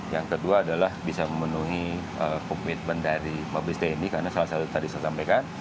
yang kedua adalah bisa memenuhi komitmen dari publis tni karena salah satu tadi saya sampaikan